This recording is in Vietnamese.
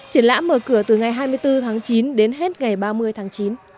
triển lãm mở cửa từ ngày hai mươi bốn tháng chín đến hết ngày ba mươi tháng chín